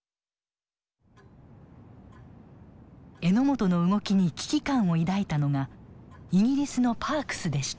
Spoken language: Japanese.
榎本の動きに危機感を抱いたのがイギリスのパークスでした。